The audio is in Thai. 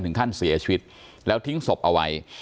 ท่านเสียชีวิตแล้วทิ้งศพเอาไว้